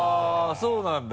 そうなんだ！